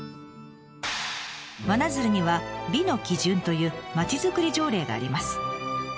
真鶴には「美の基準」というまちづくり条例があります。